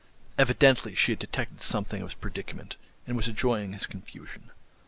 Evidently she had detected something of his predicament, and was enjoying his confusion.